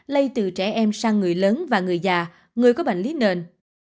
lây từ trẻ em sang người lớn và người già người có bệnh lý nền